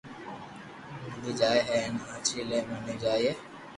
ملي جائي ھين ھاچي لي ملي جائي